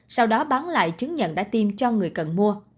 sau đó bán lại chứng nhận đã tiêm cho người cần mua